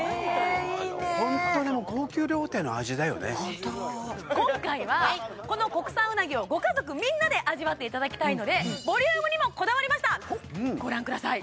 いいねいやあホントにもう今回はこの国産うなぎをご家族みんなで味わっていただきたいのでボリュームにもこだわりましたご覧ください